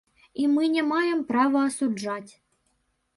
І мы не маем права асуджаць.